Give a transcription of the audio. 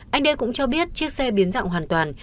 anh đê cũng cho biết chiếc xe biến dạng hoàn toàn